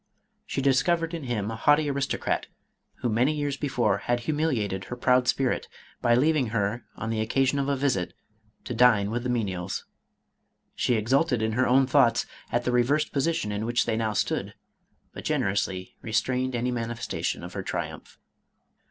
She discovered in him a MADAME ROLAND. 503 haughty aristocrat, who many years before had humil iated her proud spirit, by leaving her, on the occasion of a visit, to dine with the menials. She exulted in her own thoughts at the reversed position in which they now stood, but generously restrained any mani festation of her triumph.